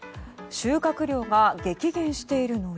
収穫量が激減しているのり。